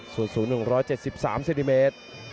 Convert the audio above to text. ส่วนสูง๑๗๓เซนติเมตร